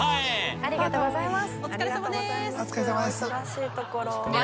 ありがとうございます。